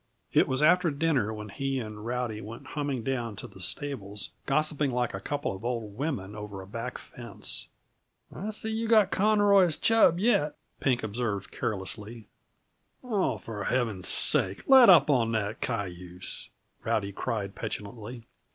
It was after dinner when he and Rowdy went humming down to the stables, gossiping like a couple of old women over a back fence. "I see you've got Conroy's Chub yet," Pink observed carelessly. "Oh, for Heaven's sake let up on that cayuse!" Rowdy cried petulantly.